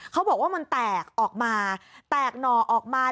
เขาบอกว่ามันแตกออกมาแตกหน่อออกมา